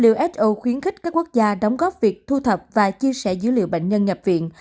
uso khuyến khích các quốc gia đóng góp việc thu thập và chia sẻ dữ liệu bệnh nhân nhập viện